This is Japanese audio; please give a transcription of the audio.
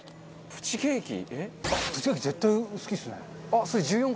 プチケーキ！